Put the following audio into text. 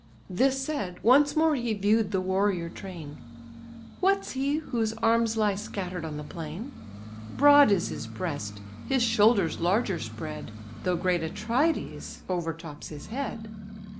This said, once more he view'd the warrior train; "What's he, whose arms lie scatter'd on the plain? Broad is his breast, his shoulders larger spread, Though great Atrides overtops his head.